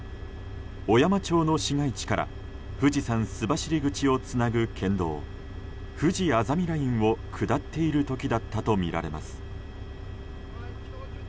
小山町の市街地から富士山須走口をつなぐ県道ふじあざみラインを下っている時だったとみられます。